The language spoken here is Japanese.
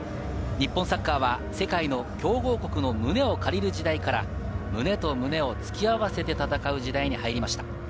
日本サッカーは世界の強豪国の胸を借りる時代から、胸と胸を突き合わせて戦う時代に入りました。